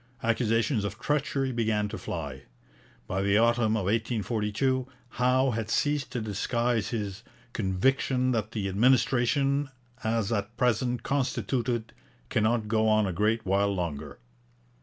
Accusations of treachery began to fly. By the autumn of 1842 Howe had ceased to disguise his 'conviction that the administration, as at present constituted, cannot go on a great while longer.'